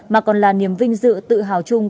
mà còn là niềm vinh dự tự hào chung